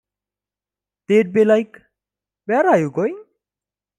They'd be like, 'Where are you going?